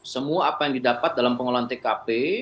semua apa yang didapat dalam pengolahan tkp